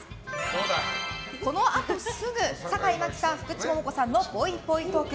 このあとすぐ坂井真紀さん、福地桃子さんのぽいぽいトーク。